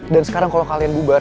dan sekarang kalo kalian bubar